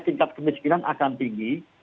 tingkat kemiskinan akan tinggi